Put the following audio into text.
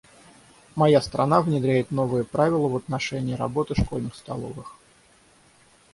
Моя страна внедряет новые правила в отношении работы школьных столовых.